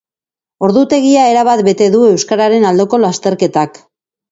Ordutegia erabat bete du euskararen aldeko lasterketak.